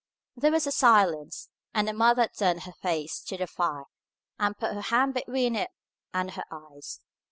There was a silence, and the mother turned her face to the fire and put her hand between it and her eyes.